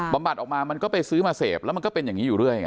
บรับบัติออกมาก็ไปซื้อเสพแล้วมันก็เป็นอย่างอยู่เรื่อย